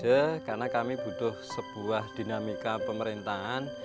dan satu periode karena kami butuh sebuah dinamika pemerintahan